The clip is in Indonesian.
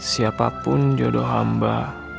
siapapun jodoh hamba